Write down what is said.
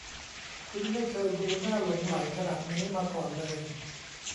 คุณไม่เคยดูน่าหลงใหลขนาดนี้มาก่อนเลย